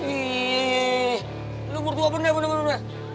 ih lu berdua bener bener